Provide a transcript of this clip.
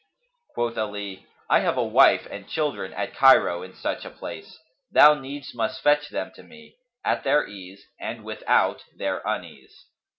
Quoth Ali, "I have a wife and children at Cairo in such a place; thou needs must fetch them to me, at their ease and without their unease."